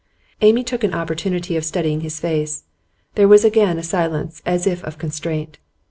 Amy took an opportunity of studying his face. There was again a silence as if of constraint.